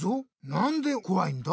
なんでこわいんだ？